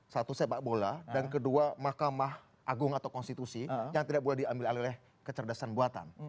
satu sepak bola dan kedua mahkamah agung atau konstitusi yang tidak boleh diambil alih oleh kecerdasan buatan